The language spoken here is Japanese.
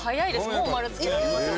もう丸つけられましたよ。